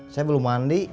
saya belum mandi